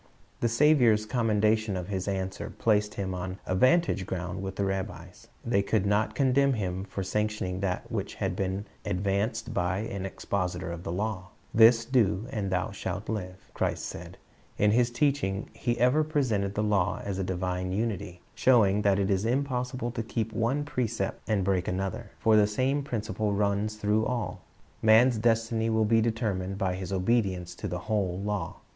The Saviour's commendation of this answer placed Him on vantage ground with the rabbis. They could not condemn Him for sanctioning that which had been advanced by an expositor of the law. "This do, and thou shalt live," Christ said. In His teaching He ever presented the law as a divine unity, showing that it is impossible to keep one precept and break 378 CJi rist^s bj c ct Lessons "^ priest came that uuny, by on the other side." another; for the same prin ciple runs through all. Man's destiny will be determined by his obedience to the whole law.